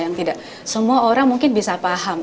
yang tidak semua orang mungkin bisa paham